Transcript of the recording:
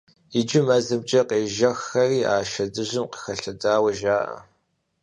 Иджы мэзымкӀэ къежэххэри а шэдыжьым къыхэлъадэу жаӀэ.